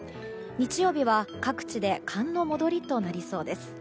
日曜日は、各地で寒の戻りとなりそうです。